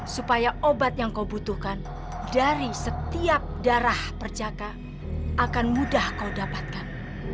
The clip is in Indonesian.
supaya obat yang kau butuhkan dari setiap darah perjaka akan mudah kau dapatkan